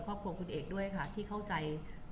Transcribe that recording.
บุ๋มประดาษดาก็มีคนมาให้กำลังใจเยอะ